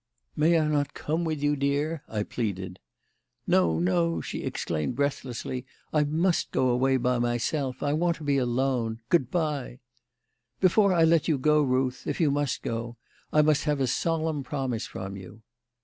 "May I not come with you, dear?" I pleaded. "No, no!" she exclaimed breathlessly; "I must go away by myself. I want to be alone. Good bye!" "Before I let you go, Ruth if you must go I must have a solemn promise from you."